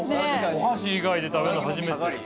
お箸以外で食べるの初めて。